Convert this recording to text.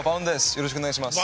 よろしくお願いします。